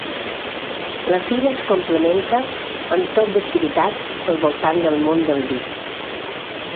La fira es complementa amb tot d’activitats al voltant del món del vi.